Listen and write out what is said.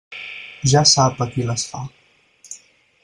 Ja sap a qui les fa.